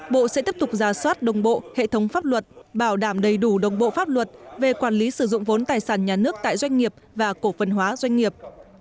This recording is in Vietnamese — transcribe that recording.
bộ sẽ tiếp tục giả soát đồng bộ hệ thống pháp luật bảo đảm đầy đủ đồng bộ pháp luật về quản lý sử dụng vốn tài sản nhà nước tại doanh nghiệp và cổ phần hóa doanh nghiệp